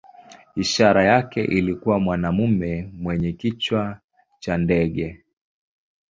Ishara yake ilikuwa mwanamume mwenye kichwa cha ndege.